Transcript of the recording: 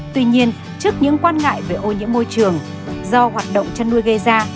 tuy nhiên trước những quan ngại về ô nhiễm môi trường do hoạt động chăn nuôi gây ra